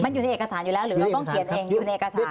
อยู่ในเอกสารอยู่แล้วหรือเราต้องเขียนเองอยู่ในเอกสาร